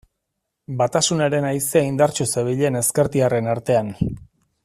Batasunaren haizea indartsu zebilen ezkertiarren artean.